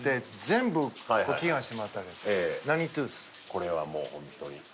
これはもうホントに。